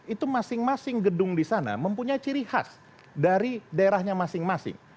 itu masing masing gedung di sana mempunyai ciri khas dari daerahnya masing masing